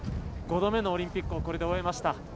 ５度目のオリンピックがこれで終わりました。